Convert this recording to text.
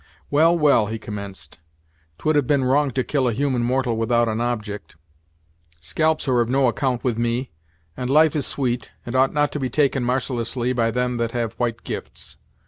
"Well, well," he commenced, "'twould have been wrong to kill a human mortal without an object. Scalps are of no account with me, and life is sweet, and ought not to be taken marcilessly by them that have white gifts.